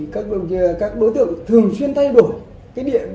các đối tượng thường xuyên thay đổi